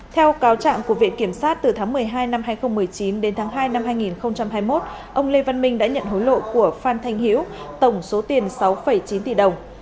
theo cáo trạng của viện kiểm sát từ tháng một mươi hai năm hai nghìn một mươi chín đến tháng hai năm hai nghìn hai mươi một ông lê văn minh đã nhận hối lộ của phan thanh hiễu tổng số tiền sáu chín tỷ đồng